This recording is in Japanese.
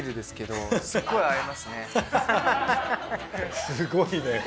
すごいね。